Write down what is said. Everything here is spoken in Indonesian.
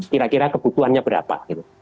kira kira kebutuhannya berapa